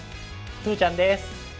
鶴ちゃんです！